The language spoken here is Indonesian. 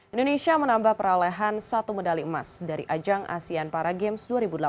indonesia menambah perolehan satu medali emas dari ajang asean para games dua ribu delapan belas